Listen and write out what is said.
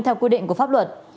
theo quy định của pháp luật